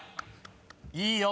いいよ